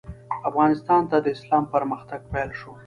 افغانستان ته د اسلام پرمختګ پیل شو.